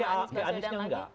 kalau ke aniesnya enggak